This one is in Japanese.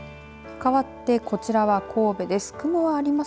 かわって、こちらは神戸です。